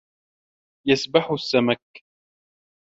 يَسْبَحُ السَّمَكُ.